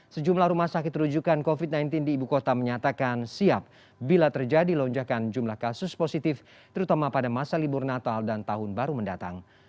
sejumlah rumah sakit terujukan covid sembilan belas di ibu kota menyatakan siap bila terjadi lonjakan jumlah kasus positif terutama pada masa libur natal dan tahun baru mendatang